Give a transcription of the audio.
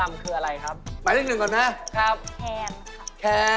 มีหมอลำซิ่งค่ะ